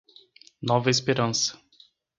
Nova Esperança